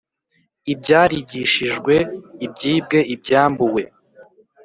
Ibyarigishijwe ibyibwe ibyambuwe